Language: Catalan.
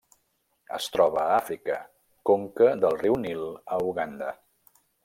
Es troba a Àfrica: conca del riu Nil a Uganda.